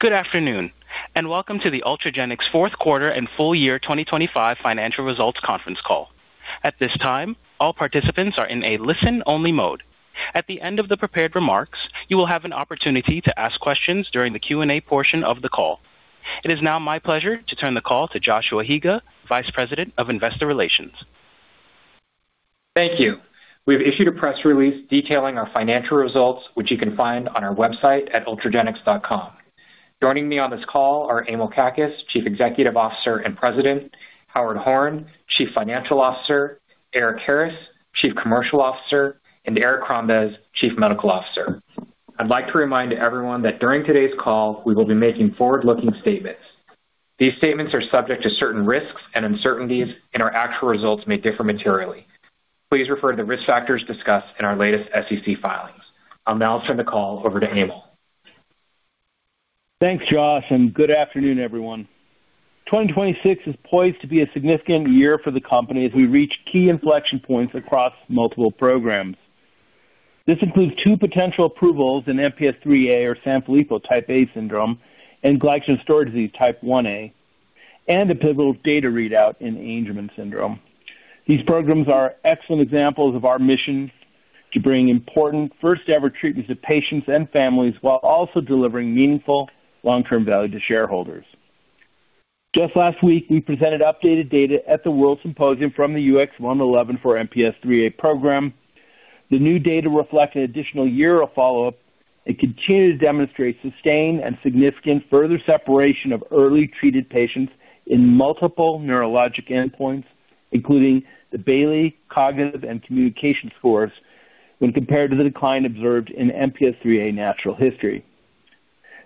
Good afternoon, and welcome to the Ultragenyx's fourth quarter and full year 2025 financial results conference call. At this time, all participants are in a listen-only mode. At the end of the prepared remarks, you will have an opportunity to ask questions during the Q&A portion of the call. It is now my pleasure to turn the call to Joshua Higa, Vice President of Investor Relations. Thank you. We've issued a press release detailing our financial results, which you can find on our website at ultragenyx.com. Joining me on this call are Emil Kakkis, Chief Executive Officer and President, Howard Horn, Chief Financial Officer, Erik Harris, Chief Commercial Officer, and Eric Crombez, Chief Medical Officer. I'd like to remind everyone that during today's call, we will be making forward-looking statements. These statements are subject to certain risks and uncertainties, and our actual results may differ materially. Please refer to the risk factors discussed in our latest SEC filings. I'll now turn the call over to Emil. Thanks, Josh, and good afternoon, everyone. 2026 is poised to be a significant year for the company as we reach key inflection points across multiple programs. This includes two potential approvals in MPS IIIA or Sanfilippo type A syndrome and glycogen storage disease type Ia, and a pivotal data readout in Angelman syndrome. These programs are excellent examples of our mission to bring important first-ever treatments to patients and families, while also delivering meaningful long-term value to shareholders. Just last week, we presented updated data at the World Symposium from the UX111 for MPS IIIA program. The new data reflect an additional year of follow-up and continue to demonstrate sustained and significant further separation of early-treated patients in multiple neurologic endpoints, including the Bayley, cognitive, and communication scores, when compared to the decline observed in MPS IIIA natural history.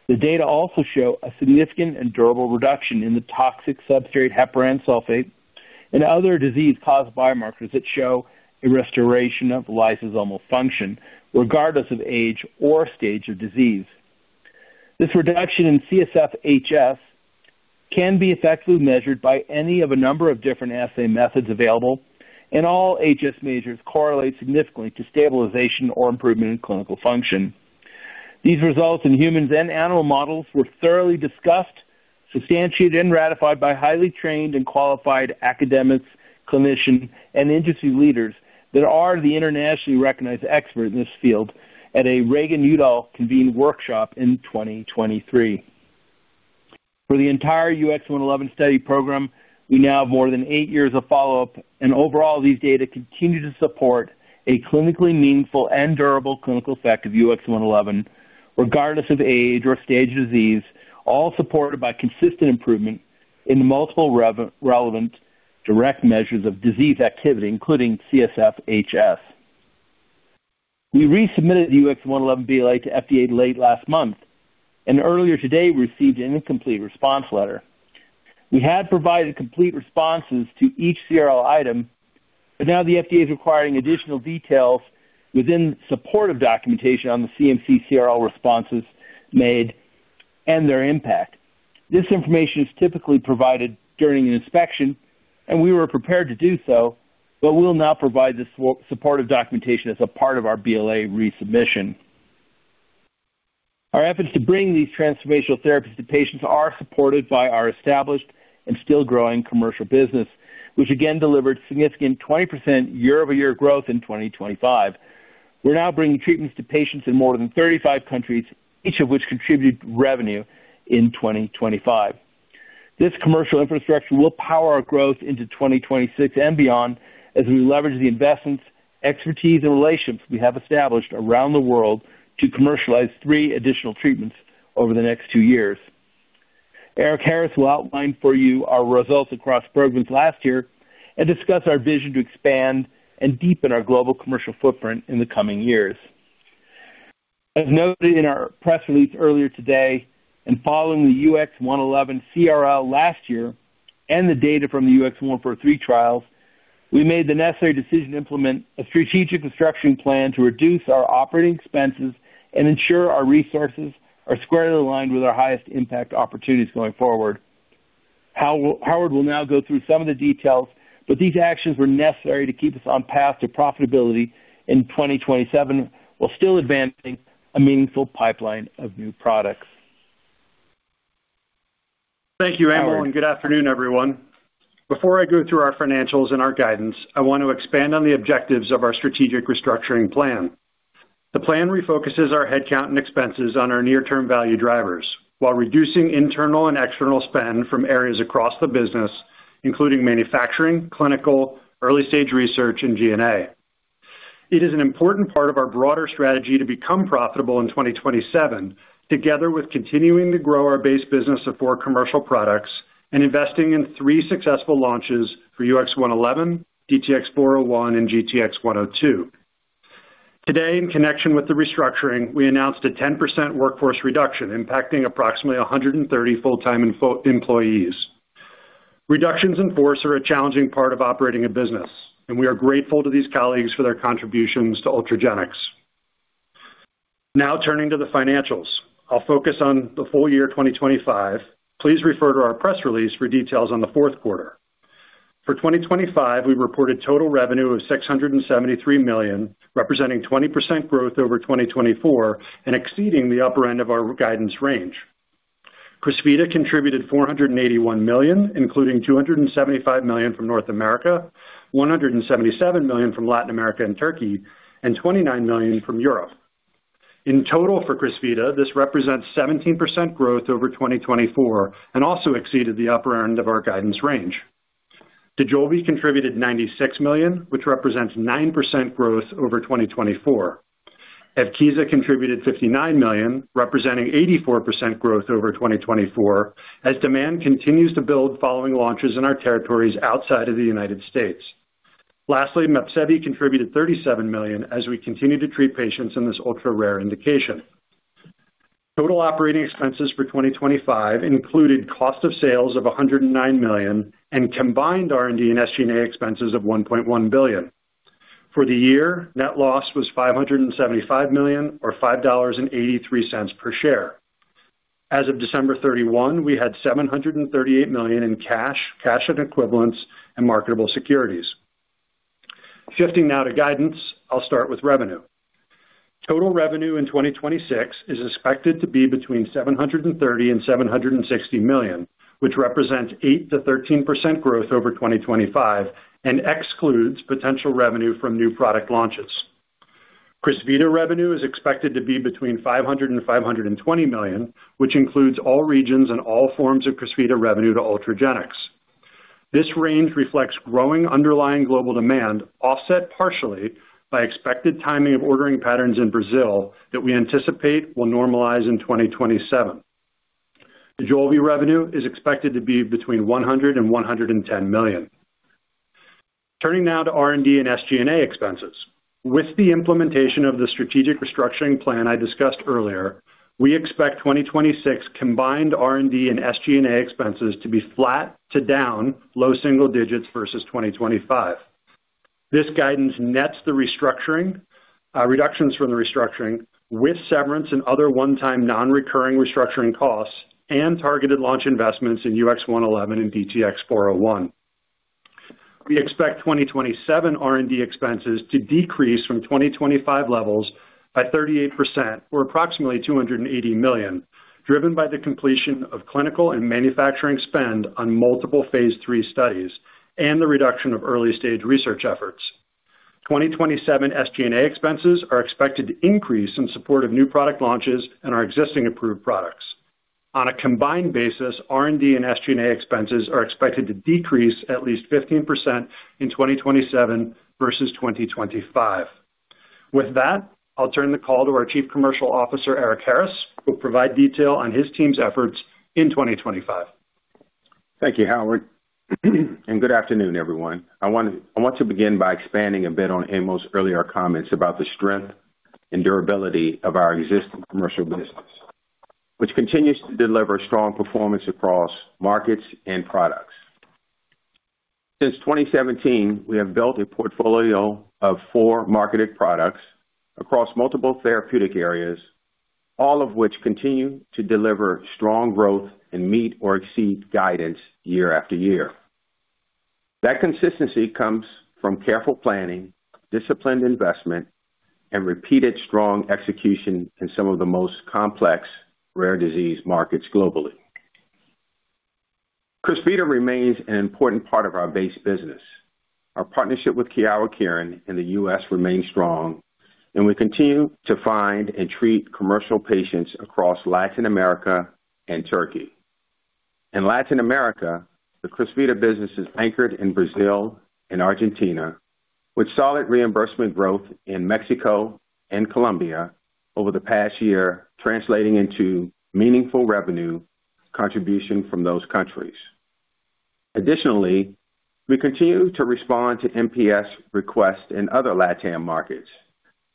The data also show a significant and durable reduction in the toxic substrate heparan sulfate and other disease-caused biomarkers that show a restoration of lysosomal function, regardless of age or stage of disease. This reduction in CSF HS can be effectively measured by any of a number of different assay methods available, and all HS measures correlate significantly to stabilization or improvement in clinical function. These results in humans and animal models were thoroughly discussed, substantiated, and ratified by highly trained and qualified academics, clinicians, and industry leaders that are the internationally recognized experts in this field at a Reagan-Udall convened workshop in 2023. For the entire UX111 study program, we now have more than 8 years of follow-up, and overall, these data continue to support a clinically meaningful and durable clinical effect of UX111, regardless of age or stage of disease, all supported by consistent improvement in multiple relevant direct measures of disease activity, including CSF HS. We resubmitted the UX111 BLA to FDA late last month, and earlier today, we received an incomplete response letter. We had provided complete responses to each CRL item, but now the FDA is requiring additional details within supportive documentation on the CMC CRL responses made and their impact. This information is typically provided during an inspection, and we were prepared to do so, but we will now provide this supportive documentation as a part of our BLA resubmission. Our efforts to bring these transformational therapies to patients are supported by our established and still growing commercial business, which again delivered significant 20% year-over-year growth in 2025. We're now bringing treatments to patients in more than 35 countries, each of which contributed revenue in 2025. This commercial infrastructure will power our growth into 2026 and beyond as we leverage the investments, expertise, and relationships we have established around the world to commercialize three additional treatments over the next two years. Erik Harris will outline for you our results across programs last year and discuss our vision to expand and deepen our global commercial footprint in the coming years. As noted in our press release earlier today, and following the UX111 CRL last year and the data from the UX143 trials, we made the necessary decision to implement a strategic restructuring plan to reduce our operating expenses and ensure our resources are squarely aligned with our highest impact opportunities going forward. Howard will now go through some of the details, but these actions were necessary to keep us on path to profitability in 2027, while still advancing a meaningful pipeline of new products. Thank you, Emil, and good afternoon, everyone. Before I go through our financials and our guidance, I want to expand on the objectives of our strategic restructuring plan. The plan refocuses our headcount and expenses on our near-term value drivers, while reducing internal and external spend from areas across the business, including manufacturing, clinical, early-stage research, and G&A. It is an important part of our broader strategy to become profitable in 2027, together with continuing to grow our base business of four commercial products and investing in three successful launches for UX111, DTX-401, and GTX-102. Today, in connection with the restructuring, we announced a 10% workforce reduction, impacting approximately 130 full-time employees. Reductions in force are a challenging part of operating a business, and we are grateful to these colleagues for their contributions to Ultragenyx. Now, turning to the financials. I'll focus on the full year 2025. Please refer to our press release for details on the fourth quarter. For 2025, we reported total revenue of $673 million, representing 20% growth over 2024 and exceeding the upper end of our guidance range. Crysvita contributed $481 million, including $275 million from North America, $177 million from Latin America and Turkey, and $29 million from Europe. In total, for Crysvita, this represents 17% growth over 2024 and also exceeded the upper end of our guidance range. Dojolvi contributed $96 million, which represents 9% growth over 2024. Evkeeza contributed $59 million, representing 84% growth over 2024, as demand continues to build following launches in our territories outside of the United States. Lastly, Mepsevii contributed $37 million as we continue to treat patients in this ultra-rare indication. Total operating expenses for 2025 included cost of sales of $109 million and combined R&D and SG&A expenses of $1.1 billion. For the year, net loss was $575 million, or $5.83 per share. As of December 31, we had $738 million in cash, cash equivalents, and marketable securities. Shifting now to guidance, I'll start with revenue. Total revenue in 2026 is expected to be between $730 million and $760 million, which represents 8%-13% growth over 2025 and excludes potential revenue from new product launches. Crysvita revenue is expected to be between $500 million and $520 million, which includes all regions and all forms of Crysvita revenue to Ultragenyx. This range reflects growing underlying global demand, offset partially by expected timing of ordering patterns in Brazil that we anticipate will normalize in 2027. Dojolvi revenue is expected to be between $100 million and $110 million. Turning now to R&D and SG&A expenses. With the implementation of the strategic restructuring plan I discussed earlier, we expect 2026 combined R&D and SG&A expenses to be flat to down low single digits versus 2025. This guidance nets the restructuring reductions from the restructuring with severance and other one-time non-recurring restructuring costs and targeted launch investments in UX111 and DTX-401. We expect 2027 R&D expenses to decrease from 2025 levels by 38%, or approximately $280 million, driven by the completion of clinical and manufacturing spend on multiple phase III studies and the reduction of early-stage research efforts. 2027 SG&A expenses are expected to increase in support of new product launches and our existing approved products. On a combined basis, R&D and SG&A expenses are expected to decrease at least 15% in 2027 versus 2025. With that, I'll turn the call to our Chief Commercial Officer, Erik Harris, who will provide detail on his team's efforts in 2025. Thank you, Howard, and good afternoon, everyone. I want to, I want to begin by expanding a bit on Emil's earlier comments about the strength and durability of our existing commercial business, which continues to deliver strong performance across markets and products. Since 2017, we have built a portfolio of four marketed products across multiple therapeutic areas, all of which continue to deliver strong growth and meet or exceed guidance year after year. That consistency comes from careful planning, disciplined investment, and repeated strong execution in some of the most complex rare disease markets globally. Crysvita remains an important part of our base business. Our partnership with Kyowa Kirin in the U.S. remains strong, and we continue to find and treat commercial patients across Latin America and Turkey. In Latin America, the Crysvita business is anchored in Brazil and Argentina, with solid reimbursement growth in Mexico and Colombia over the past year, translating into meaningful revenue contribution from those countries. Additionally, we continue to respond to MPS requests in other LatAm markets,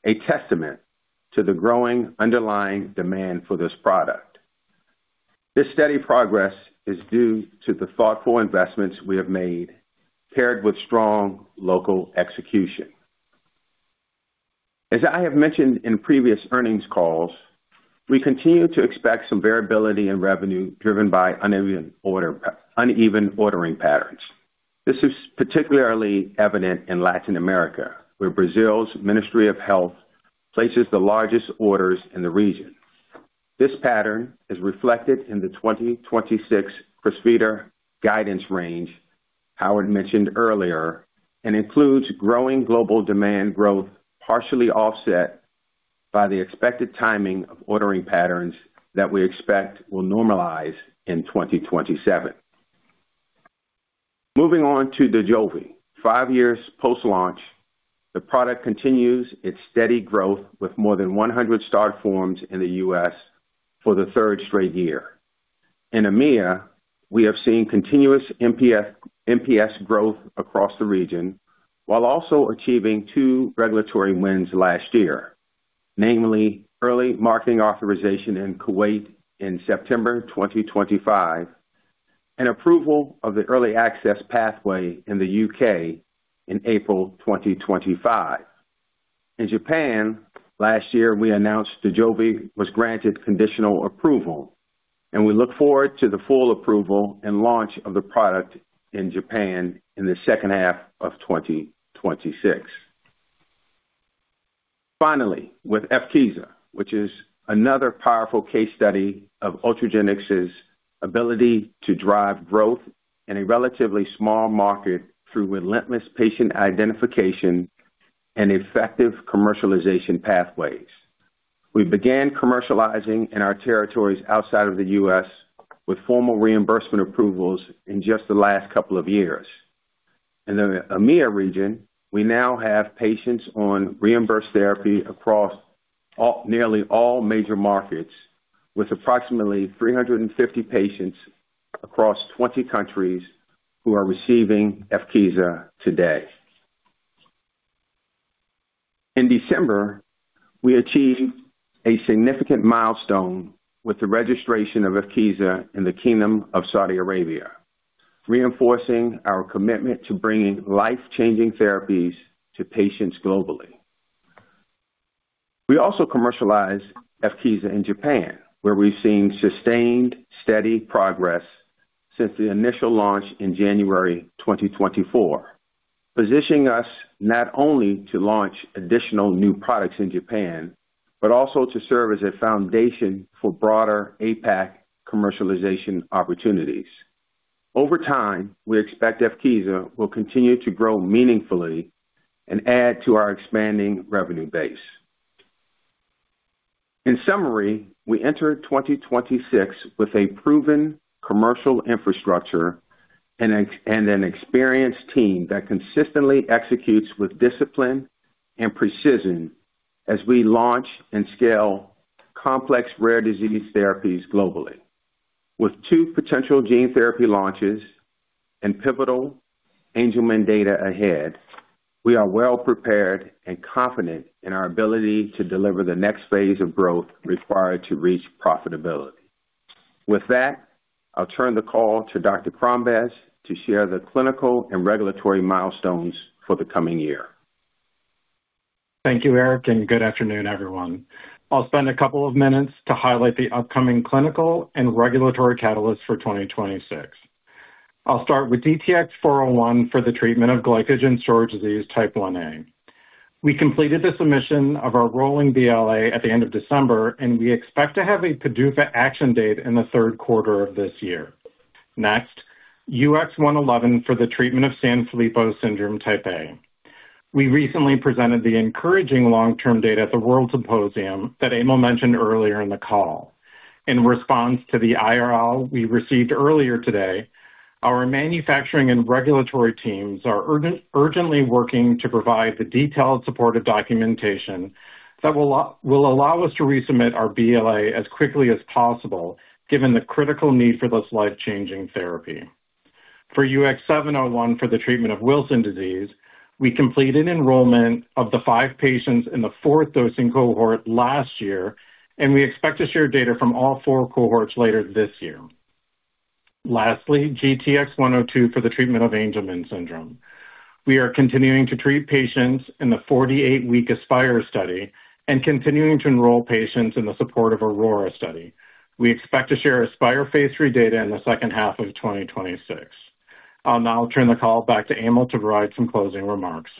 a testament to the growing underlying demand for this product. This steady progress is due to the thoughtful investments we have made, paired with strong local execution. As I have mentioned in previous earnings calls, we continue to expect some variability in revenue driven by uneven ordering patterns. This is particularly evident in Latin America, where Brazil's Ministry of Health places the largest orders in the region. This pattern is reflected in the 2026 Crysvita guidance range Howard mentioned earlier, and includes growing global demand growth, partially offset by the expected timing of ordering patterns that we expect will normalize in 2027. Moving on to Dojolvi. Five years post-launch, the product continues its steady growth with more than 100 started forms in the U.S. for the third straight year. In EMEA, we have seen continuous MPS growth across the region, while also achieving two regulatory wins last year, namely early marketing authorization in Kuwait in September 2025, and approval of the early access pathway in the U.K. in April 2025. In Japan, last year, we announced Dojolvi was granted conditional approval, and we look forward to the full approval and launch of the product in Japan in the second half of 2026. Finally, with Evkeeza, which is another powerful case study of Ultragenyx's ability to drive growth in a relatively small market through relentless patient identification and effective commercialization pathways. We began commercializing in our territories outside of the U.S. with formal reimbursement approvals in just the last couple of years. In the EMEA region, we now have patients on reimbursed therapy across all, nearly all major markets, with approximately 350 patients across 20 countries who are receiving Evkeeza today. In December, we achieved a significant milestone with the registration of Evkeeza in the Kingdom of Saudi Arabia, reinforcing our commitment to bringing life-changing therapies to patients globally. We also commercialized Evkeeza in Japan, where we've seen sustained, steady progress since the initial launch in January 2024, positioning us not only to launch additional new products in Japan, but also to serve as a foundation for broader APAC commercialization opportunities. Over time, we expect Evkeeza will continue to grow meaningfully and add to our expanding revenue base. In summary, we enter 2026 with a proven commercial infrastructure and an experienced team that consistently executes with discipline and precision as we launch and scale complex rare disease therapies globally. With two potential gene therapy launches and pivotal Angelman data ahead, we are well-prepared and confident in our ability to deliver the next phase of growth required to reach profitability. With that, I'll turn the call to Dr. Crombez to share the clinical and regulatory milestones for the coming year. Thank you, Eric, and good afternoon, everyone. I'll spend a couple of minutes to highlight the upcoming clinical and regulatory catalysts for 2026. I'll start with DTX-401 for the treatment of glycogen storage disease type Ia. We completed the submission of our rolling BLA at the end of December, and we expect to have a PDUFA action date in the third quarter of this year. Next, UX111 for the treatment of Sanfilippo syndrome type A. We recently presented the encouraging long-term data at the World Symposium that Emil mentioned earlier in the call. In response to the IRL we received earlier today, our manufacturing and regulatory teams are urgently working to provide the detailed supportive documentation that will allow, will allow us to resubmit our BLA as quickly as possible, given the critical need for this life-changing therapy. For UX701 for the treatment of Wilson disease, we completed enrollment of the five patients in the fourth dosing cohort last year, and we expect to share data from all four cohorts later this year. Lastly, GTX-102 for the treatment of Angelman syndrome. We are continuing to treat patients in the 48-week ASPIRE study and continuing to enroll patients in the supportive AURORA study. We expect to share ASPIRE phase III data in the second half of 2026. I'll now turn the call back to Emil to provide some closing remarks.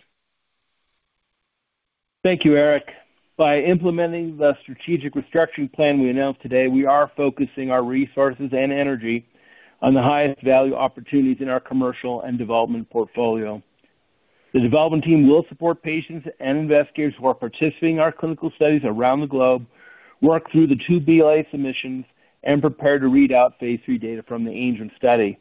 Thank you, Eric. By implementing the strategic restructuring plan we announced today, we are focusing our resources and energy on the highest value opportunities in our commercial and development portfolio. The development team will support patients and investigators who are participating in our clinical studies around the globe, work through the two BLA submissions, and prepare to read out phase III data from the Angelman study.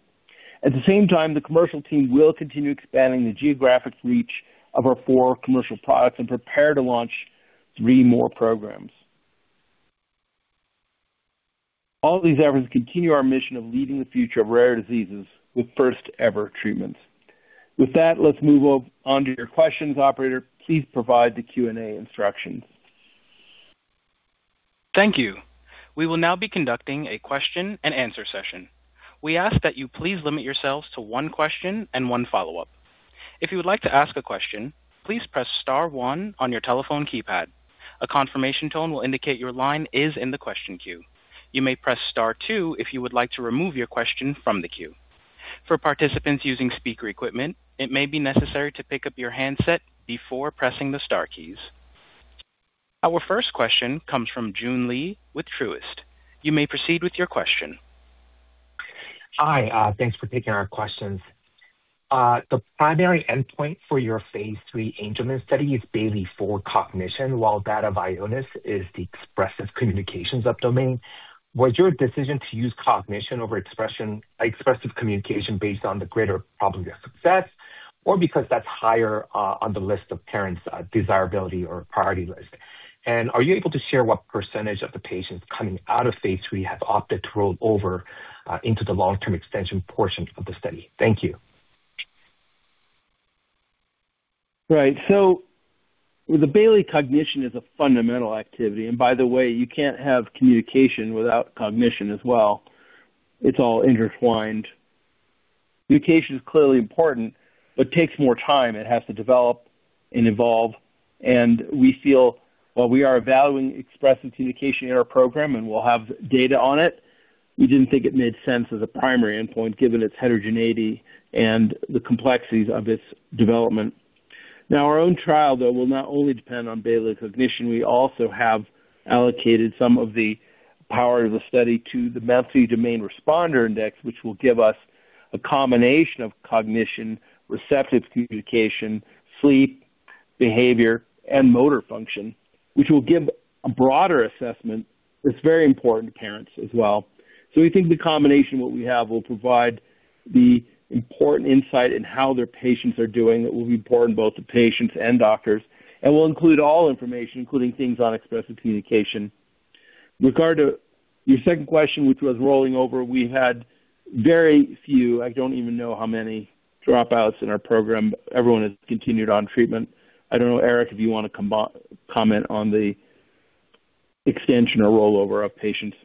At the same time, the commercial team will continue expanding the geographic reach of our four commercial products and prepare to launch three more programs. All these efforts continue our mission of leading the future of rare diseases with first-ever treatments. With that, let's move over onto your questions. Operator, please provide the Q&A instructions. Thank you. We will now be conducting a question and answer session. We ask that you please limit yourselves to one question and one follow-up. If you would like to ask a question, please press star one on your telephone keypad. A confirmation tone will indicate your line is in the question queue. You may press star two if you would like to remove your question from the queue. For participants using speaker equipment, it may be necessary to pick up your handset before pressing the star keys. Our first question comes from Joon Lee with Truist. You may proceed with your question. Hi, thanks for taking our questions. The primary endpoint for your phase III Angelman study is Bayley-4 cognition, while that of Ionis is the expressive communications sub-domain. Was your decision to use cognition over expression, expressive communication based on the greater probability of success, or because that's higher, on the list of parents', desirability or priority list? And are you able to share what percentage of the patients coming out of phase III have opted to roll over, into the long-term extension portion of the study? Thank you. Right. So the Bayley cognition is a fundamental activity, and by the way, you can't have communication without cognition as well. It's all intertwined. Communication is clearly important, but takes more time. It has to develop and evolve, and we feel while we are evaluating expressive communication in our program and we'll have data on it, we didn't think it made sense as a primary endpoint, given its heterogeneity and the complexities of its development. Now, our own trial, though, will not only depend on Bayley's cognition, we also have allocated some of the power of the study to the Multi-Domain Responder Index, which will give us a combination of cognition, receptive communication, sleep, behavior, and motor function, which will give a broader assessment that's very important to parents as well. So we think the combination, what we have, will provide the important insight in how their patients are doing. It will be important both to patients and doctors, and we'll include all information, including things on expressive communication. With regard to your second question, which was rolling over, we had very few, I don't even know how many, dropouts in our program. Everyone has continued on treatment. I don't know, Eric, if you want to comment on the extension or rollover of patients.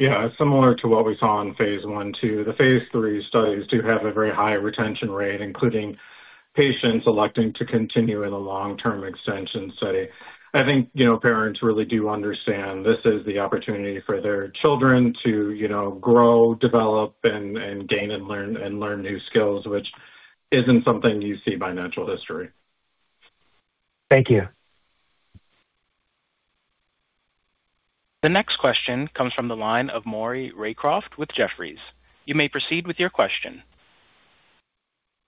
Yeah, similar to what we saw in phase I, II. The phase III studies do have a very high retention rate, including patients electing to continue in a long-term extension study. I think, you know, parents really do understand this is the opportunity for their children to, you know, grow, develop and gain and learn new skills, which isn't something you see by natural history. Thank you. The next question comes from the line of Maury Raycroft with Jefferies. You may proceed with your question.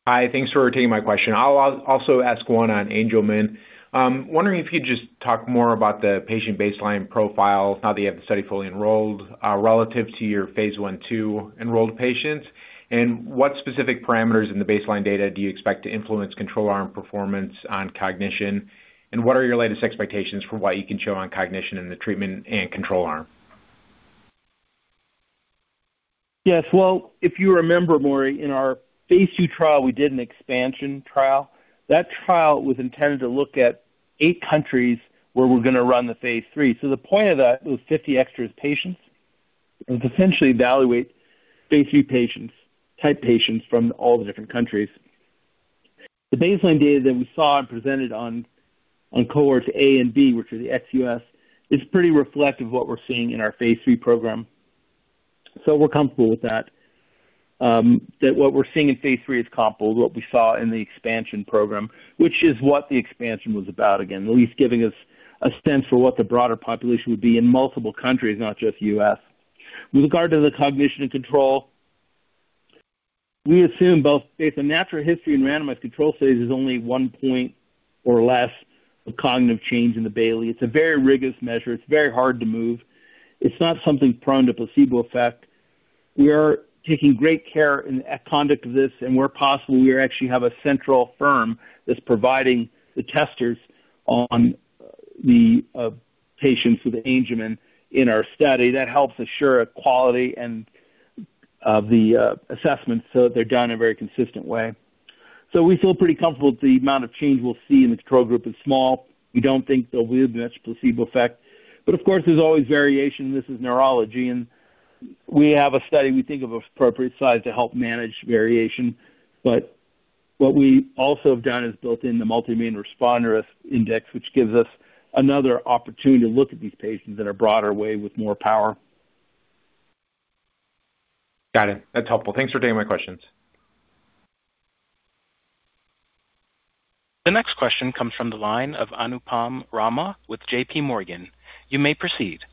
Hi. Thanks for taking my question. I'll also ask one on Angelman. Wondering if you could just talk more about the patient baseline profile now that you have the study fully enrolled, relative to your Phase I, II enrolled patients, and what specific parameters in the baseline data do you expect to influence control arm performance on cognition? And what are your latest expectations for what you can show on cognition in the treatment and control arm? Yes. Well, if you remember, Maury, in our phase II trial, we did an expansion trial. That trial was intended to look at 8 countries where we're going to run the phase III. So the point of that was 50 extra patients and potentially evaluate phase III patients, type patients from all the different countries. The baseline data that we saw and presented on, on cohorts A and B, which are the ex-U.S., is pretty reflective of what we're seeing in our phase III program. So we're comfortable with that. That what we're seeing in phase III is comparable to what we saw in the expansion program, which is what the expansion was about, again, at least giving us a sense for what the broader population would be in multiple countries, not just U.S. With regard to the cognition and control, we assume both the natural history and randomized control phase is only 1 point or less of cognitive change in the Bayley. It's a very rigorous measure. It's very hard to move. It's not something prone to placebo effect. We are taking great care in the conduct of this, and where possible, we actually have a central firm that's providing the testers on the patients with Angelman in our study. That helps assure a quality and of the assessments, so they're done in a very consistent way. So we feel pretty comfortable that the amount of change we'll see in the control group is small. We don't think there'll be much placebo effect, but of course, there's always variation. This is neurology, and we have a study we think of appropriate size to help manage variation. But what we also have done is built in the Multi-Domain Responder Index, which gives us another opportunity to look at these patients in a broader way with more power. Got it. That's helpful. Thanks for taking my questions. The next question comes from the line of Anupam Rama with JPMorgan. You may proceed.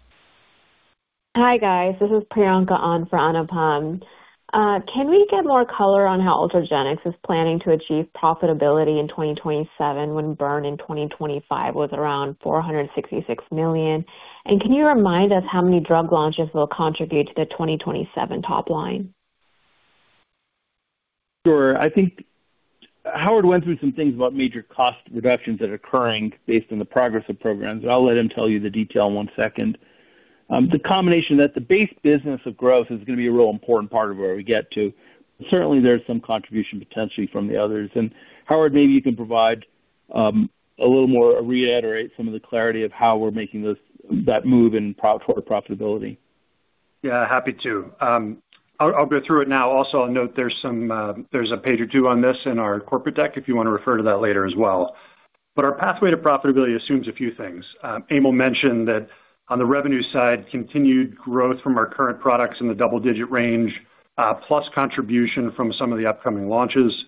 Hi, guys. This is Priyanka on for Anupam. Can we get more color on how Ultragenyx is planning to achieve profitability in 2027, when burn in 2025 was around $466 million? And can you remind us how many drug launches will contribute to the 2027 top line? Sure. I think Howard went through some things about major cost reductions that are occurring based on the progress of programs. I'll let him tell you the detail in one second. The combination that the base business of growth is going to be a real important part of where we get to. Certainly, there's some contribution potentially from the others. And Howard, maybe you can provide a little more, or reiterate some of the clarity of how we're making this move toward profitability. Yeah, happy to. I'll go through it now. Also, I'll note there's some, there's a page or two on this in our corporate deck, if you want to refer to that later as well. But our pathway to profitability assumes a few things. Emil mentioned that on the revenue side, continued growth from our current products in the double-digit range, plus contribution from some of the upcoming launches.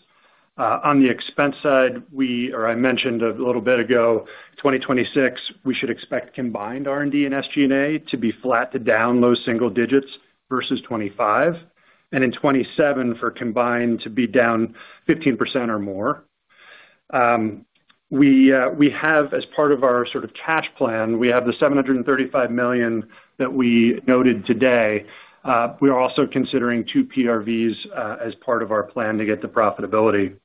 On the expense side, we, or I mentioned a little bit ago, 2026, we should expect combined R&D and SG&A to be flat to down low single digits versus 2025, and in 2027 for combined to be down 15% or more. We have, as part of our sort of cash plan, we have the $735 million that we noted today. We are also considering two PRVs as part of our plan to get to profitability.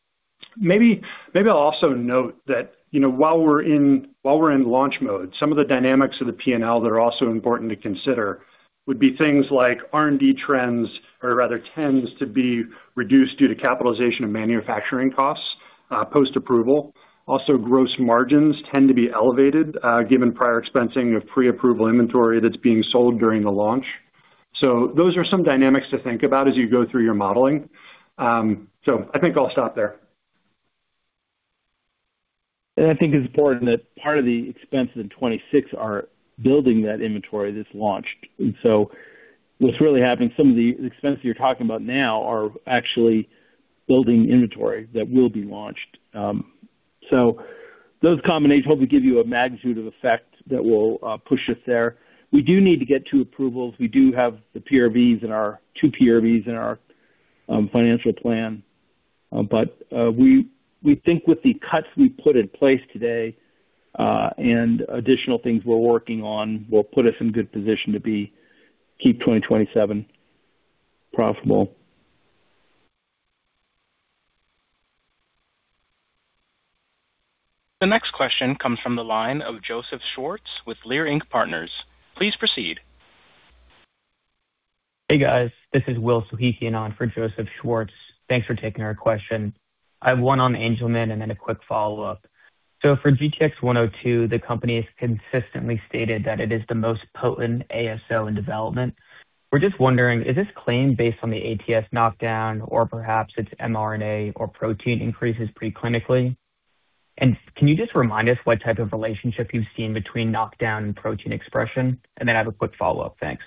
Maybe, maybe I'll also note that, you know, while we're in, while we're in launch mode, some of the dynamics of the PNL that are also important to consider would be things like R&D trends, or rather, tends to be reduced due to capitalization of manufacturing costs post-approval. Also, gross margins tend to be elevated given prior expensing of pre-approval inventory that's being sold during the launch. So those are some dynamics to think about as you go through your modeling. So I think I'll stop there. And I think it's important that part of the expenses in 2026 are building that inventory that's launched. So what's really happening, some of the expenses you're talking about now are actually building inventory that will be launched. Those combinations hopefully give you a magnitude of effect that will push us there. We do need to get two approvals. We do have two PRVs in our financial plan. But we think with the cuts we put in place today and additional things we're working on, will put us in good position to keep 2027 profitable. The next question comes from the line of Joseph Schwartz with Leerink Partners. Please proceed. Hey, guys, this is Will Soghikian, on for Joseph Schwartz. Thanks for taking our question. I have one on Angelman and then a quick follow-up. So for GTX-102, the company has consistently stated that it is the most potent ASO in development. We're just wondering, is this claim based on the UBE3A knockdown or perhaps its mRNA or protein increases preclinically? And can you just remind us what type of relationship you've seen between knockdown and protein expression? And then I have a quick follow-up. Thanks.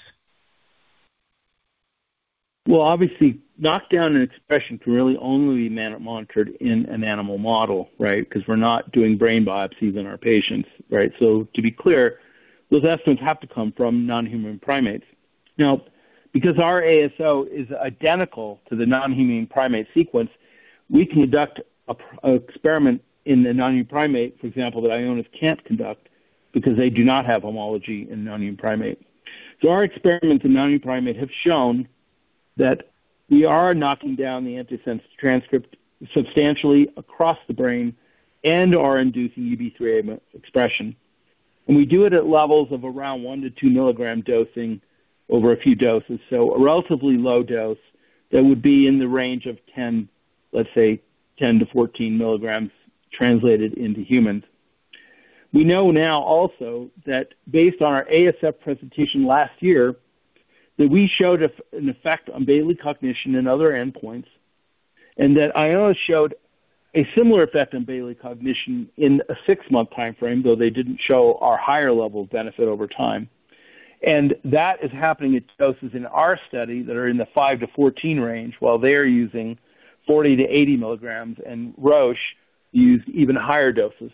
Well, obviously, knockdown and expression can really only be monitored in an animal model, right? Because we're not doing brain biopsies in our patients, right? So to be clear, those estimates have to come from non-human primates. Now, because our ASO is identical to the non-human primate sequence, we can conduct an experiment in the non-human primate, for example, that Ionis can't conduct because they do not have homology in non-human primate. So our experiments in non-human primate have shown that we are knocking down the antisense transcript substantially across the brain and are inducing UBE3A expression. And we do it at levels of around 1-2 milligram dosing over a few doses. So a relatively low dose that would be in the range of 10, let's say, 10-14 milligrams translated into humans. We know now also that based on our ASPIRE presentation last year, that we showed a, an effect on Bayley cognition and other endpoints, and that Ionis showed a similar effect on Bayley cognition in a 6-month timeframe, though they didn't show our higher level of benefit over time. That is happening at doses in our study that are in the 5-14 range, while they are using 40-80 milligrams, and Roche used even higher doses.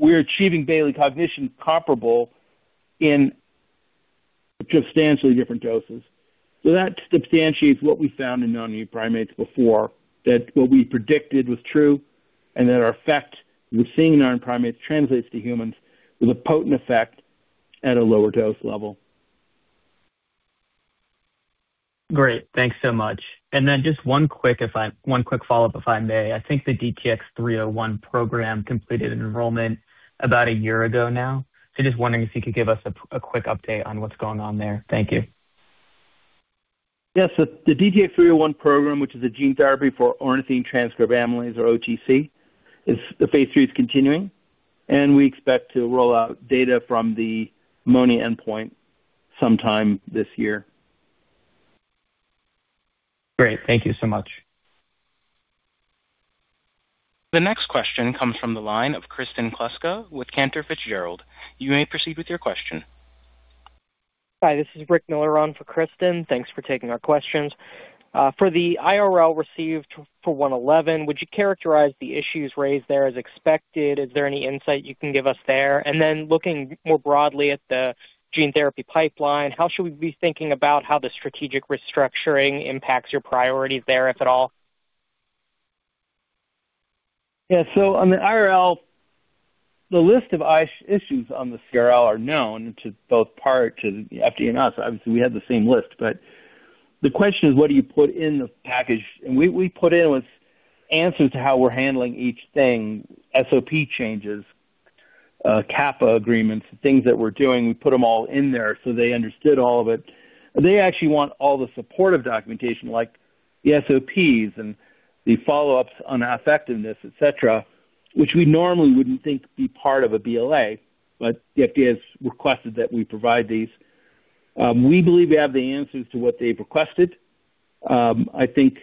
We're achieving Bayley cognition comparable in substantially different doses. That substantiates what we found in non-human primates before, that what we predicted was true and that our effect we're seeing in our primates translates to humans with a potent effect at a lower dose level. Great. Thanks so much. And then just one quick follow-up, if I may. I think the DTX-301 program completed enrollment about a year ago now. So just wondering if you could give us a quick update on what's going on there. Thank you. Yes. So the DTX-301 program, which is a gene therapy for ornithine transcarbamylase, or OTC, is the phase III is continuing, and we expect to roll out data from the ammonia endpoint sometime this year. Great. Thank you so much. The next question comes from the line of Kristen Kluska with Cantor Fitzgerald. You may proceed with your question. Hi, this is Rick Miller on for Kristen. Thanks for taking our questions. For the IRL received for UX111, would you characterize the issues raised there as expected? Is there any insight you can give us there? And then looking more broadly at the gene therapy pipeline, how should we be thinking about how the strategic restructuring impacts your priorities there, if at all? Yeah. So on the IRL, the list of issues on the CRL are known to both parties, to FDA and us. Obviously, we had the same list, but the question is, what do you put in the package? And we, we put in was answers to how we're handling each thing, SOP changes, CAPA agreements, things that we're doing, we put them all in there so they understood all of it. They actually want all the supportive documentation, like the SOPs and the follow-ups on effectiveness, et cetera, which we normally wouldn't think to be part of a BLA, but the FDA has requested that we provide these. We believe we have the answers to what they've requested. I think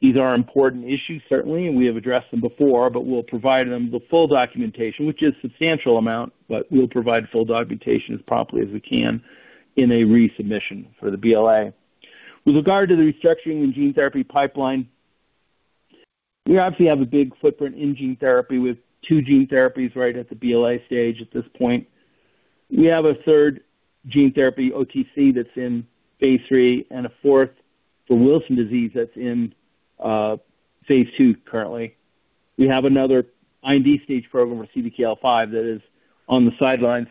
these are important issues, certainly, and we have addressed them before, but we'll provide them the full documentation, which is a substantial amount, but we'll provide full documentation as promptly as we can in a resubmission for the BLA. With regard to the restructuring and gene therapy pipeline, we obviously have a big footprint in gene therapy with 2 gene therapies right at the BLA stage, at this point. We have a third gene therapy, OTC, that's in phase III, and a fourth for Wilson disease that's in phase II currently. We have another IND stage program for CDKL5 that is on the sidelines.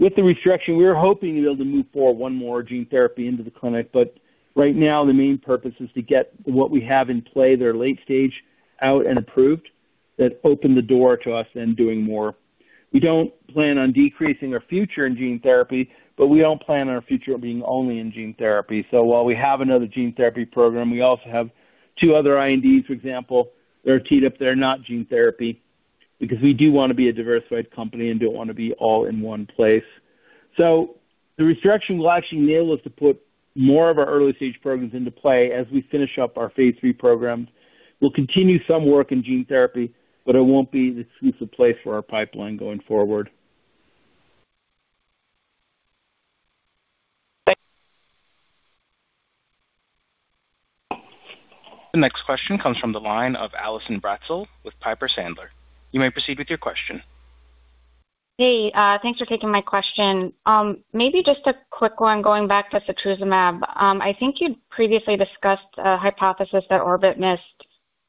With the restructuring, we were hoping to be able to move forward one more gene therapy into the clinic, but right now, the main purpose is to get what we have in play, their late stage, out and approved. That opened the door to us then doing more. We don't plan on decreasing our future in gene therapy, but we don't plan on our future being only in gene therapy. So while we have another gene therapy program, we also have two other INDs, for example, that are teed up. They're not gene therapy because we do want to be a diversified company and don't want to be all in one place. So the restriction will actually enable us to put more of our early stage programs into play as we finish up our phase III programs. We'll continue some work in gene therapy, but it won't be the exclusive place for our pipeline going forward. The next question comes from the line of Allison Bratzel with Piper Sandler. You may proceed with your question. Hey, thanks for taking my question. Maybe just a quick one. Going back to setrusumab, I think you'd previously discussed a hypothesis that ORBIT missed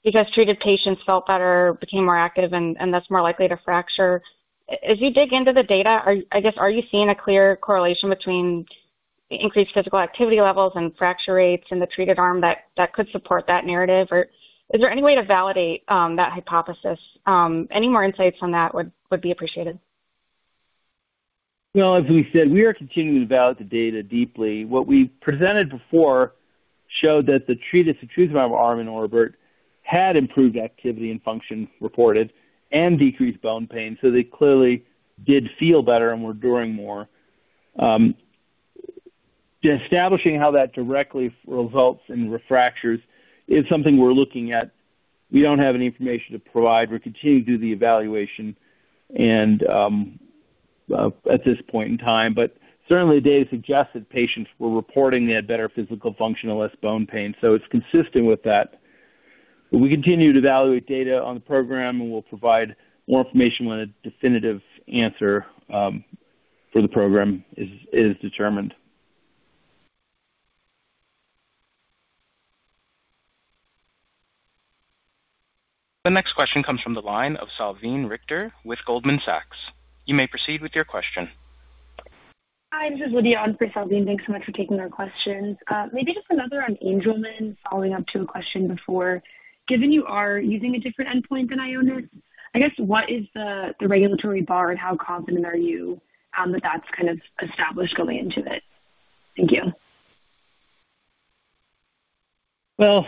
because treated patients felt better, became more active, and thus more likely to fracture. As you dig into the data, I guess, are you seeing a clear correlation between increased physical activity levels and fracture rates in the treated arm that could support that narrative? Or is there any way to validate that hypothesis? Any more insights on that would be appreciated. Well, as we said, we are continuing to evaluate the data deeply. What we presented before showed that the treated setrusumab arm in ORBIT had improved activity and function reported and decreased bone pain. So they clearly did feel better and were doing more. Establishing how that directly results in refractures is something we're looking at. We don't have any information to provide. We're continuing to do the evaluation and at this point in time, but certainly the data suggests that patients were reporting they had better physical function and less bone pain, so it's consistent with that. But we continue to evaluate data on the program, and we'll provide more information when a definitive answer for the program is determined. The next question comes from the line of Salveen Richter with Goldman Sachs. You may proceed with your question. Hi, this is Lydia on for Salveen. Thanks so much for taking our questions. Maybe just another on Angelman, following up to a question before. Given you are using a different endpoint than Ionis, I guess what is the regulatory bar and how confident are you that that's kind of established going into it? Thank you. Well,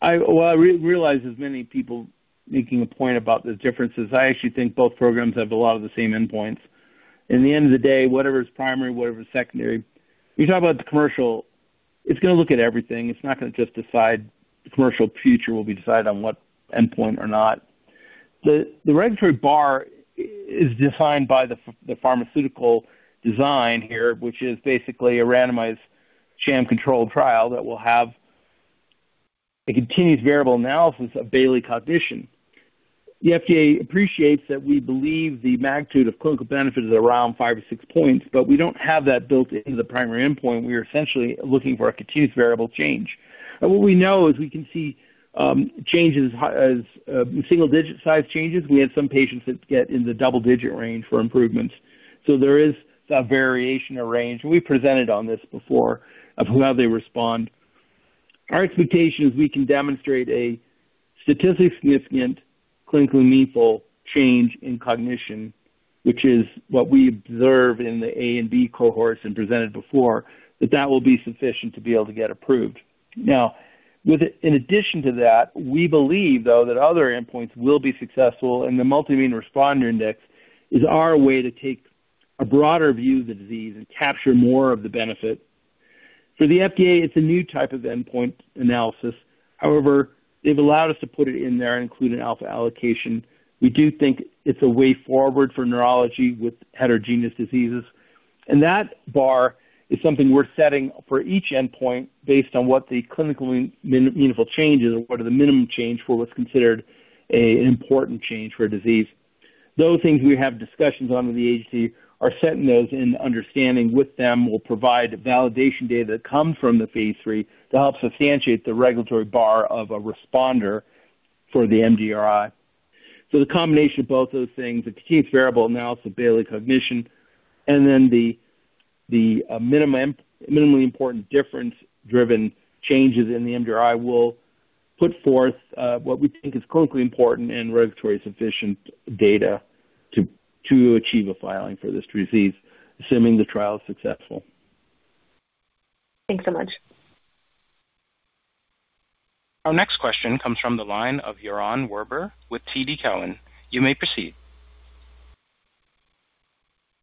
I realize there's many people making a point about the differences. I actually think both programs have a lot of the same endpoints. In the end of the day, whatever is primary, whatever is secondary, you talk about the commercial, it's going to look at everything. It's not going to just decide the commercial future will be decided on what endpoint or not. The regulatory bar is defined by the pharmaceutical design here, which is basically a randomized sham-controlled trial that will have a continuous variable analysis of Bayley cognition. The FDA appreciates that we believe the magnitude of clinical benefit is around five or six points, but we don't have that built into the primary endpoint. We are essentially looking for a continuous variable change. And what we know is we can see changes as single digit size changes. We have some patients that get in the double-digit range for improvements. So there is a variation of range. We presented on this before of how they respond. Our expectation is we can demonstrate a statistically significant, clinically meaningful change in cognition, which is what we observed in the A and B cohorts and presented before, that that will be sufficient to be able to get approved. Now, with, in addition to that, we believe, though, that other endpoints will be successful, and the Multi-Domain Responder Index is our way to take a broader view of the disease and capture more of the benefit. For the FDA, it's a new type of endpoint analysis. However, they've allowed us to put it in there and include an alpha allocation. We do think it's a way forward for neurology with heterogeneous diseases, and that bar is something we're setting for each endpoint based on what the clinical meaningful change is or what are the minimum change for what's considered a, an important change for a disease. Those things we have discussions on with the agency are setting those and understanding with them, will provide validation data that come from the phase III to help substantiate the regulatory bar of a responder for the MDRI. So the combination of both those things, the key variable analysis, Bayley cognition, and then the minimally important difference-driven changes in the MDRI, will put forth what we think is clinically important and regulatory sufficient data to achieve a filing for this disease, assuming the trial is successful. Thanks so much. Our next question comes from the line of Yaron Werber with TD Cowen. You may proceed.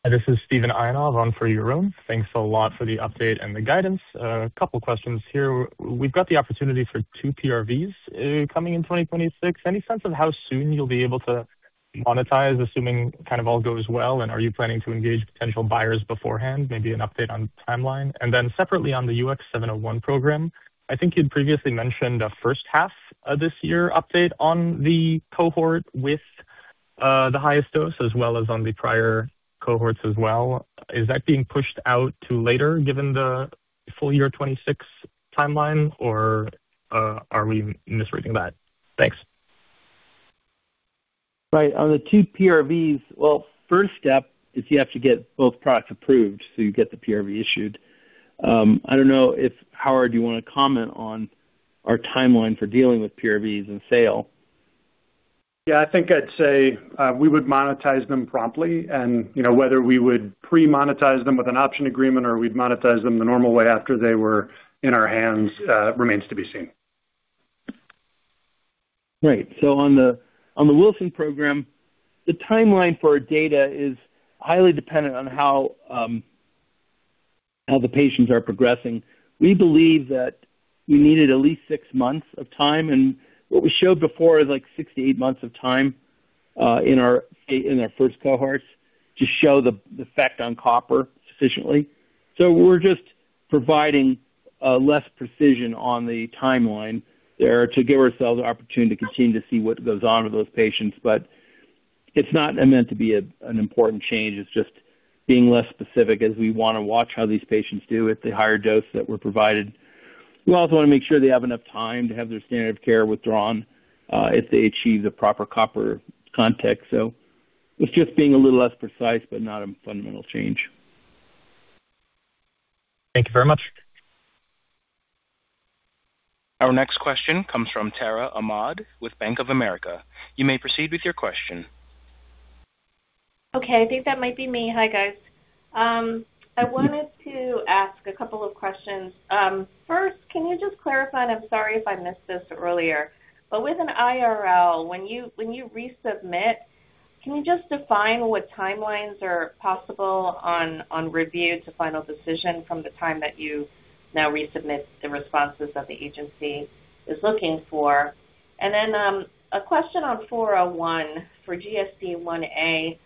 This is Steven Einhorn on for Yaron. Thanks a lot for the update and the guidance. A couple questions here. We've got the opportunity for two PRVs coming in 2026. Any sense of how soon you'll be able to monetize, assuming kind of all goes well, and are you planning to engage potential buyers beforehand? Maybe an update on the timeline. And then separately on the UX701 program, I think you'd previously mentioned a first half of this year update on the cohort with the highest dose as well as on the prior cohorts as well. Is that being pushed out to later, given the full year 2026 timeline, or are we misreading that? Thanks. Right. On the two PRVs, well, first step is you have to get both products approved, so you get the PRV issued. I don't know if, Howard, you want to comment on our timeline for dealing with PRVs and sale? Yeah, I think I'd say, we would monetize them promptly, and, you know, whether we would pre-monetize them with an option agreement or we'd monetize them the normal way after they were in our hands, remains to be seen. ...Right. So on the, on the Wilson program, the timeline for our data is highly dependent on how, how the patients are progressing. We believe that we needed at least 6 months of time, and what we showed before is like 6-8 months of time, in our, in our first cohorts to show the effect on copper sufficiently. So we're just providing, less precision on the timeline there to give ourselves an opportunity to continue to see what goes on with those patients. But it's not meant to be an important change. It's just being less specific as we want to watch how these patients do at the higher dose that we're provided. We also want to make sure they have enough time to have their standard of care withdrawn, if they achieve the proper copper context. It's just being a little less precise, but not a fundamental change. Thank you very much. Our next question comes from Tara Ahmad with Bank of America. You may proceed with your question. Okay. I think that might be me. Hi, guys. I wanted to ask a couple of questions. First, can you just clarify, and I'm sorry if I missed this earlier, but with an IRL, when you, when you resubmit, can you just define what timelines are possible on, on review to final decision from the time that you now resubmit the responses that the agency is looking for? And then, a question on 401 for GSDIa.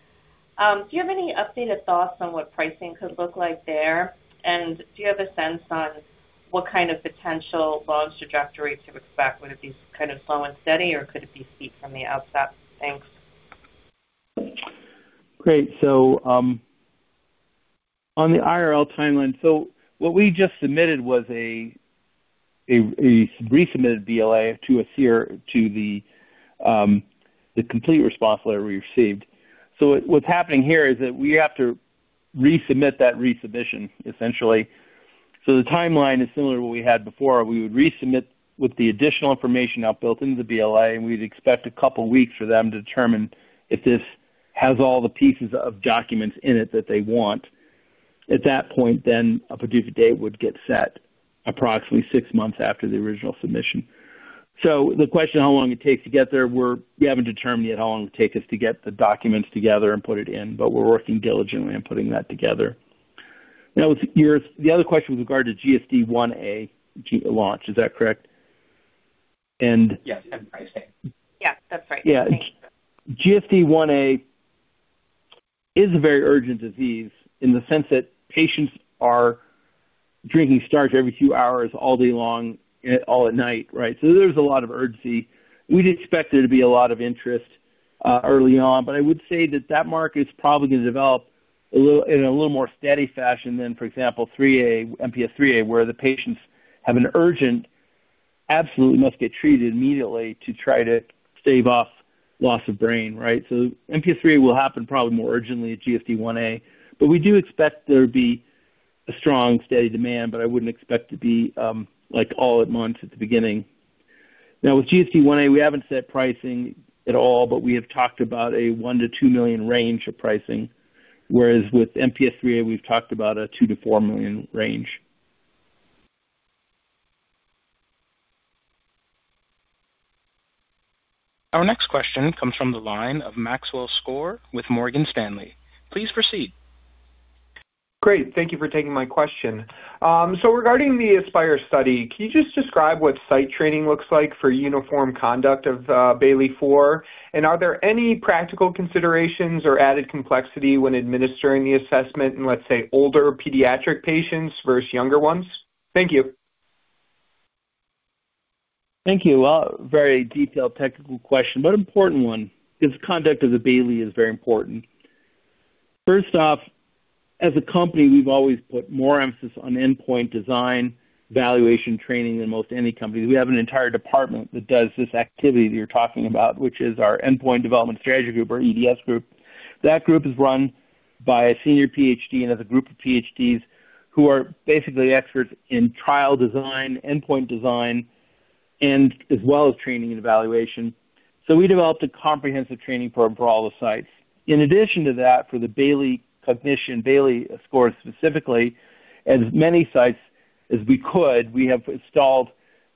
Do you have any updated thoughts on what pricing could look like there? And do you have a sense on what kind of potential launch trajectory to expect? Would it be kind of slow and steady, or could it be steep from the outset? Thanks. Great. So, on the IRL timeline, what we just submitted was a resubmitted BLA to address the CRL we received. So what's happening here is that we have to resubmit that resubmission, essentially. So the timeline is similar to what we had before. We would resubmit with the additional information now built into the BLA, and we'd expect a couple of weeks for them to determine if this has all the pieces of documents in it that they want. At that point, then a PDUFA date would get set approximately six months after the original submission. So the question, how long it takes to get there, we haven't determined yet how long it takes us to get the documents together and put it in, but we're working diligently on putting that together. Now, your other question with regard to GSDIa launch, is that correct? And- Yes, that's right. Yeah, that's right. Yeah. GSDIa is a very urgent disease in the sense that patients are drinking starch every two hours, all day long and all at night, right? So there's a lot of urgency. We'd expect there to be a lot of interest early on, but I would say that that market is probably going to develop a little, in a little more steady fashion than, for example, IIIA, MPS IIIA, where the patients have an urgent, absolutely must get treated immediately to try to stave off loss of brain. Right? So MPS IIIA will happen probably more urgently at GSDIa, but we do expect there to be a strong, steady demand, but I wouldn't expect to be like all at once at the beginning. Now, with GSDIa, we haven't set pricing at all, but we have talked about a $1 million-$2 million range of pricing, whereas with MPS IIIA, we've talked about a $2 million-$4 million range. Our next question comes from the line of Maxwell Skor with Morgan Stanley. Please proceed. Great. Thank you for taking my question. So, regarding the ASPIRE study, can you just describe what site training looks like for uniform conduct of Bayley-IV? And are there any practical considerations or added complexity when administering the assessment in, let's say, older pediatric patients versus younger ones? Thank you. Thank you. Well, very detailed technical question, but important one, because conduct of the Bayley is very important. First off, as a company, we've always put more emphasis on endpoint design, valuation, training than most any company. We have an entire department that does this activity that you're talking about, which is our Endpoint Development Strategy group, or EDS group. That group is run by a senior PhD and has a group of PhDs who are basically experts in trial design, endpoint design, and as well as training and evaluation. So we developed a comprehensive training for all the sites. In addition to that, for the Bayley cognition, Bayley scores, specifically, as many sites as we could, we have installed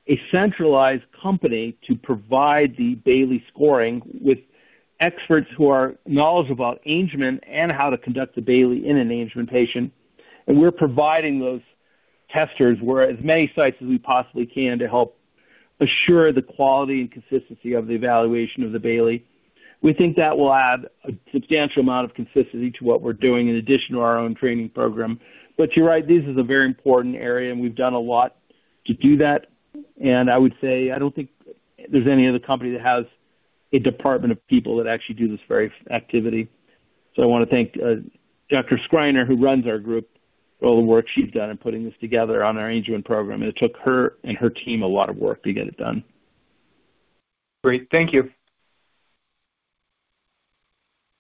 a centralized company to provide the Bayley scoring with experts who are knowledgeable about Angelman and how to conduct a Bayley in an Angelman patient. And we're providing those testers where as many sites as we possibly can to help assure the quality and consistency of the evaluation of the Bayley. We think that will add a substantial amount of consistency to what we're doing in addition to our own training program. But you're right, this is a very important area, and we've done a lot to do that. And I would say I don't think there's any other company that has a department of people that actually do this very activity. So I want to thank Dr. Schreiner, who runs our group, for all the work she's done in putting this together on our Angelman program. It took her and her team a lot of work to get it done. Great. Thank you.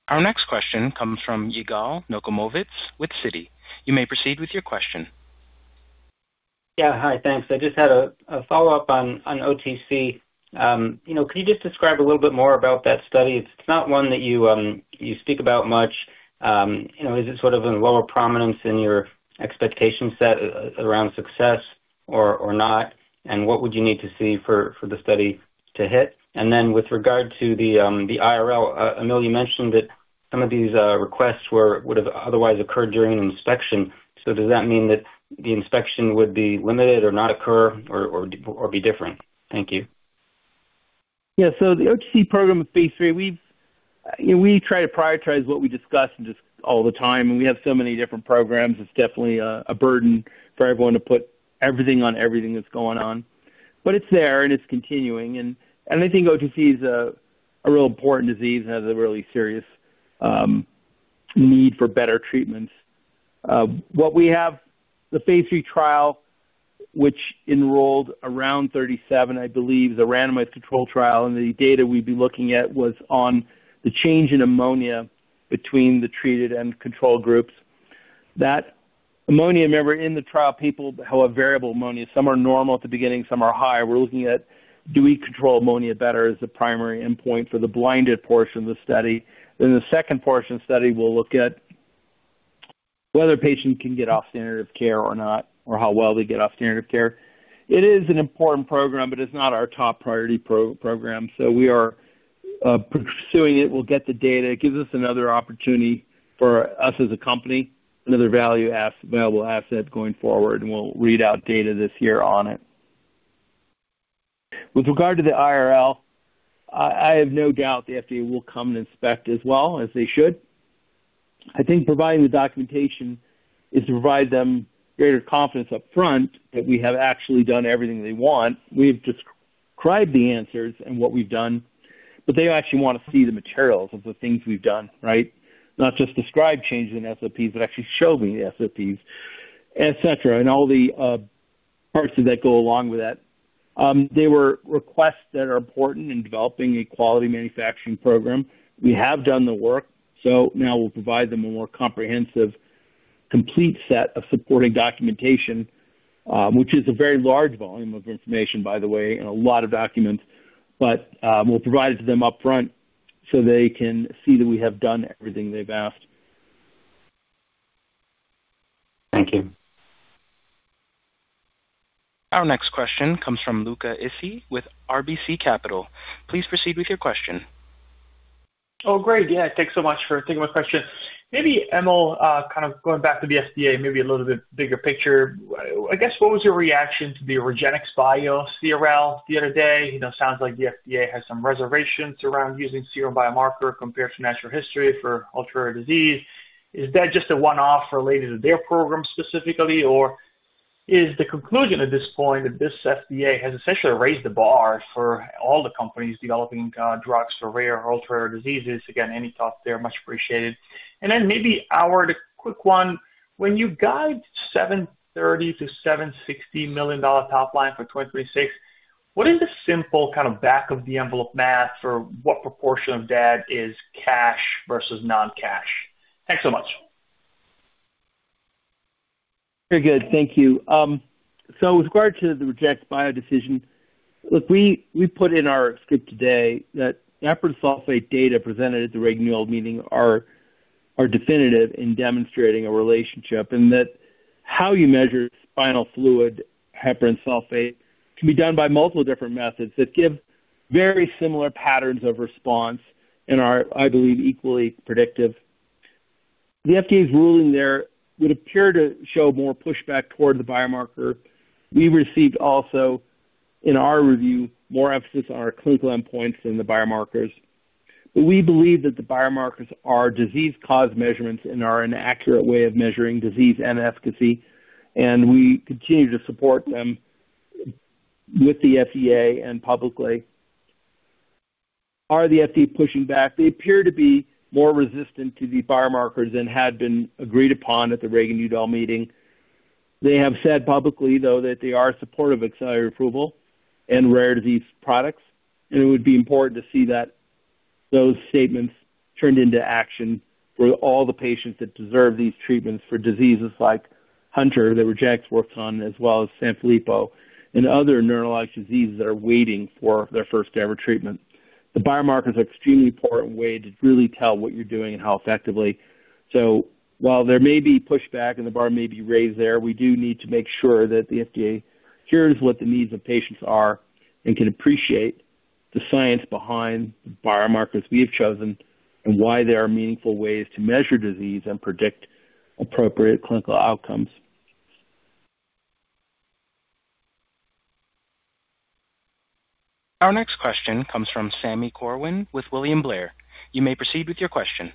Our next question comes from Yigal Nochomovitz with Citi. You may proceed with your question. Yeah. Hi, thanks. I just had a follow-up on OTC. You know, can you just describe a little bit more about that study? It's not one that you speak about much. You know, is it sort of in lower prominence in your expectation set around success or not? And what would you need to see for the study to hit? And then with regard to the IRL, Emil, you mentioned that some of these requests were would have otherwise occurred during an inspection. So does that mean that the inspection would be limited or not occur or be different? Thank you. Yeah. So the OTC program with phase III, we've, you know, we try to prioritize what we discuss just all the time, and we have so many different programs. It's definitely a burden for everyone to put everything on everything that's going on. But it's there, and it's continuing. And I think OTC is a real important disease, has a really serious need for better treatments. What we have, the phase III trial, which enrolled around 37, I believe, the randomized controlled trial, and the data we'd be looking at was on the change in ammonia between the treated and control groups. That ammonia member in the trial, people have a variable ammonia. Some are normal at the beginning, some are high. We're looking at do we control ammonia better, as the primary endpoint for the blinded portion of the study. Then the second portion of the study, we'll look at whether patients can get off standard of care or not, or how well they get off standard of care. It is an important program, but it's not our top priority program, so we are pursuing it. We'll get the data. It gives us another opportunity for us as a company, another value available asset going forward, and we'll read out data this year on it. With regard to the IRL, I, I have no doubt the FDA will come and inspect as well as they should. I think providing the documentation is to provide them greater confidence up front that we have actually done everything they want. We've described the answers and what we've done, but they actually want to see the materials of the things we've done, right? Not just describe changes in SOPs, but actually show me the SOPs, et cetera, and all the parts that go along with that. They were requests that are important in developing a quality manufacturing program. We have done the work, so now we'll provide them a more comprehensive, complete set of supporting documentation, which is a very large volume of information, by the way, and a lot of documents. But, we'll provide it to them upfront so they can see that we have done everything they've asked. Thank you. Our next question comes from Luca Issi with RBC Capital. Please proceed with your question. Oh, great. Yeah, thanks so much for taking my question. Maybe, Emil, kind of going back to the FDA, maybe a little bit bigger picture. I guess, what was your reaction to the REGENXBIO CRL the other day? You know, sounds like the FDA has some reservations around using serum biomarker compared to natural history for ultra-rare disease. Is that just a one-off related to their program specifically, or is the conclusion at this point that this FDA has essentially raised the bar for all the companies developing drugs for rare ultra-rare diseases? Again, any thoughts there, much appreciated. And then maybe, Howard, a quick one. When you guide $730 million-$760 million top line for 2026, what is the simple kind of back-of-the-envelope math or what proportion of that is cash versus non-cash? Thanks so much. Very good. Thank you. So with regard to the REGENXBIO decision, look, we put in our script today that heparan sulfate data presented at the Reagan-Udall meeting are definitive in demonstrating a relationship, and that how you measure spinal fluid heparan sulfate can be done by multiple different methods that give very similar patterns of response and are, I believe, equally predictive. The FDA's ruling there would appear to show more pushback toward the biomarker. We received also, in our review, more emphasis on our clinical endpoints than the biomarkers. But we believe that the biomarkers are disease cause measurements and are an accurate way of measuring disease and efficacy, and we continue to support them with the FDA and publicly. Are the FDA pushing back? They appear to be more resistant to the biomarkers than had been agreed upon at the Reagan-Udall meeting. They have said publicly, though, that they are supportive of accelerated approval and rare disease products, and it would be important to see that those statements turned into action for all the patients that deserve these treatments for diseases like Hunter, that REGENXBIO works on, as well as Sanfilippo and other neurologic diseases that are waiting for their first-ever treatment. The biomarkers are extremely important way to really tell what you're doing and how effectively. So while there may be pushback and the bar may be raised there, we do need to make sure that the FDA hears what the needs of patients are and can appreciate the science behind the biomarkers we have chosen and why they are meaningful ways to measure disease and predict appropriate clinical outcomes. Our next question comes from Sami Corwin with William Blair. You may proceed with your question.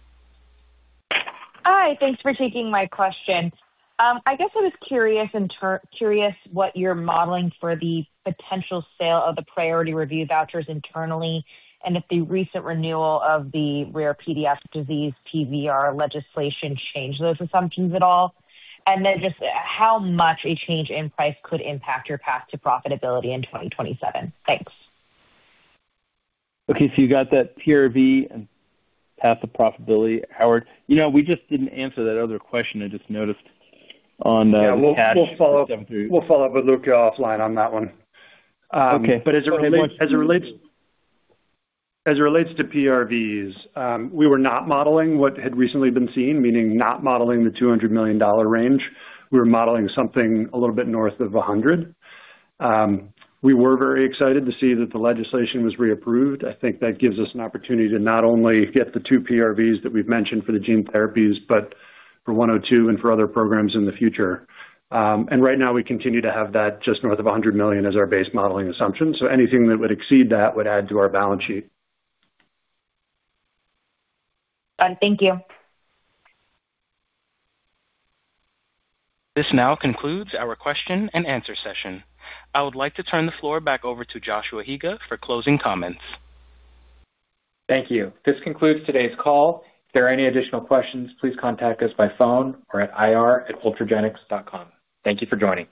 Hi, thanks for taking my question. I guess I was curious what you're modeling for the potential sale of the priority review vouchers internally, and if the recent renewal of the rare pediatric disease, PRV legislation changed those assumptions at all. And then just how much a change in price could impact your path to profitability in 2027? Thanks. Okay. So you got that PRV and path to profitability. Howard, you know, we just didn't answer that other question I just noticed on the- Yeah. We'll follow up. We'll follow up with Luca offline on that one. Okay. But as it relates to PRVs, we were not modeling what had recently been seen, meaning not modeling the $200 million range. We were modeling something a little bit north of $100 million. We were very excited to see that the legislation was reapproved. I think that gives us an opportunity to not only get the two PRVs that we've mentioned for the gene therapies, but for 102 and for other programs in the future. And right now, we continue to have that just north of $100 million as our base modeling assumption. So anything that would exceed that would add to our balance sheet. Got it. Thank you. This now concludes our question-and-answer session. I would like to turn the floor back over to Joshua Higa for closing comments. Thank you. This concludes today's call. If there are any additional questions, please contact us by phone or at ir@ultragenyx.com. Thank you for joining.